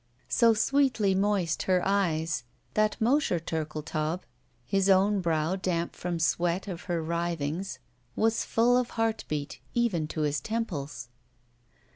So sweetly 221 ROULETTE moist her eyes that Mosher Turldetaub, his own brow damp from sweat of her writhings, was full of heartbeat, even to his temples.